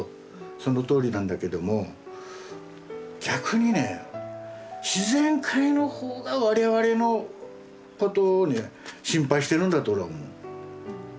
そのとおりなんだけども逆にね自然界の方が我々のことをね心配してるんだと俺は思う。